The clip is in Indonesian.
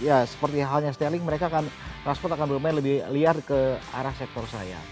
ya seperti halnya sterling mereka akan transport akan bermain lebih liar ke arah sektor saya